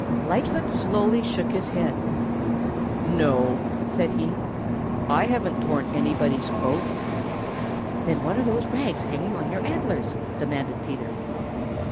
Lightfoot slowly shook his head. "No," said he, "I haven't torn anybody's coat." "Then what are those rags hanging on your antlers?" demanded Peter.